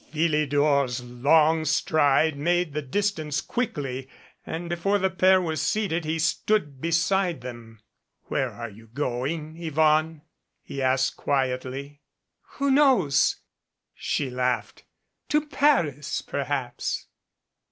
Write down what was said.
Philidor's long stride made the dis tance quickly, and before the pair were seated, he stood beside them. "Where are you going, Yvonne?" he asked quietly. "Who knows?" she laughed. "To Paris, perhaps."